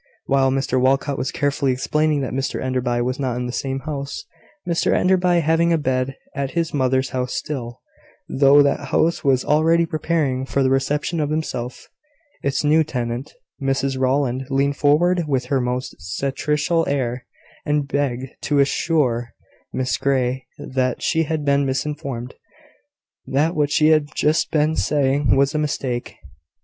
While Mr Walcot was carefully explaining that Mr Enderby was not in the same house, Mr Enderby having a bed at his mother's house still, though that house was already preparing for the reception of himself, its new tenant, Mrs Rowland leaned forward with her most satirical air, and begged to assure Miss Grey that she had been misinformed that what she had just been saying was a mistake.